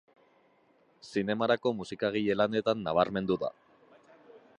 Zinemarako musikagile lanetan nabarmendu da.